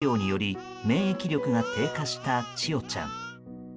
抗がん剤治療により免疫力が低下した千与ちゃん。